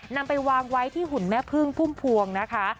นำไปวางไว้ที่หุ่นแม่พึ่งพุ่มพวงนะคะ